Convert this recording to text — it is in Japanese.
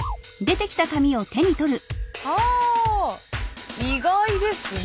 はあ意外ですな。